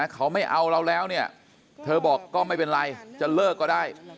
เขาไม่เอาเราแล้วเนี่ยเธอบอกก็ไม่เป็นไรจะเลิกก็ได้